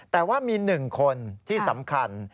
แต่ว่ามีหนึ่งคนที่สำคัญ